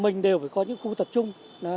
mình đều phải có những khu tập trung